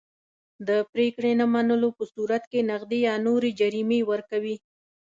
د پرېکړې نه منلو په صورت کې نغدي یا نورې جریمې ورکوي.